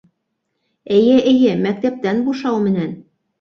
Эйе, эйе, мәктәптән бушау менән!